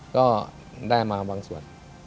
ก็ได้มาบางส่วน